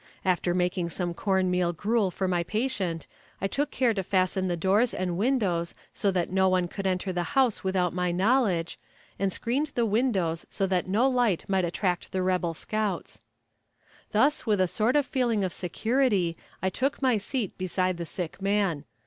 After making some corn meal gruel for my patient, I took care to fasten the doors and windows so that no one could enter the house without my knowledge, and screened the windows so that no light might attract the rebel scouts. Thus with a sort of feeling of security I took my seat beside the sick man.